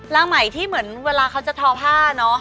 ใหม่ที่เหมือนเวลาเขาจะทอผ้าเนอะ